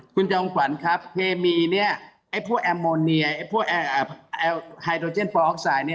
คุณจังหวันครับเคมีนี้ไอ้พวกแอร์โมเนียไอ้พวกไฮโดรเจนโปรออกไซด์